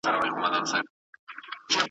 اقتدا مي پسي کړې زما امام دی ما منلی ,